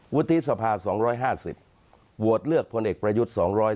วุฒิสภา๒๕๐โหวตเลือกพลเอกประยุทธ์๒๕